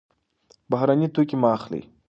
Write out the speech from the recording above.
بهرني توکي مه اخلئ.